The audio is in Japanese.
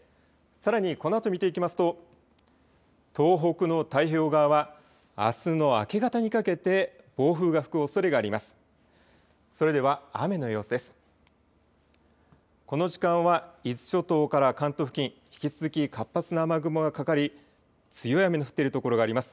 さらにこのあと見ていきますと東北の太平洋側はあすの明け方にかけて暴風が吹くおそれがあります。